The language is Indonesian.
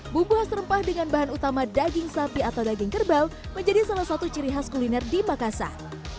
bumbu khas rempah dengan bahan utama daging sapi atau daging kerbau menjadi salah satu ciri khas kuliner di makassar